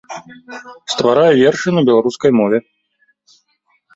Стварае вершы на беларускай мове.